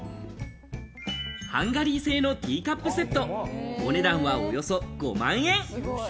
ハンガリー製のティーカップセット、お値段は、およそ５万円。